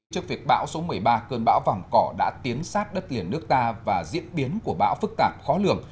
trước việc bão số một mươi ba cơn bão vòng cỏ đã tiến sát đất liền nước ta và diễn biến của bão phức tạp khó lường